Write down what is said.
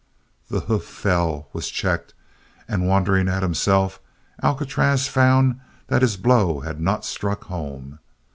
The hoof fell, was checked, and wondering at himself Alcatraz found that his blow had not struck home.